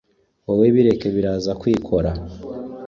Wowe bireke biraza kwikora